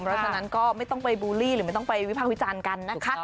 เพราะฉะนั้นก็ไม่ต้องไปบูลลี่หรือไม่ต้องไปวิภาควิจารณ์กันนะคะ